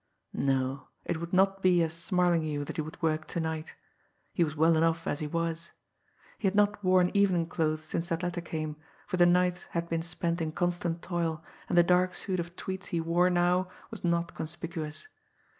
No, it would not be as Smarlinghue that he would work to night he was well enough as he was. He had not worn evening clothes since that letter came, for the nights had been spent in constant toil, and the dark suit of tweeds he wore now was not conspicuous.